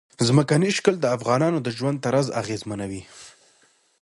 ځمکنی شکل د افغانانو د ژوند طرز اغېزمنوي.